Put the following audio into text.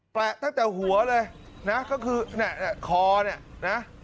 แตะตั้งแต่หัวเลยน่ะก็คือเน่น่ะขอเน่น่ะ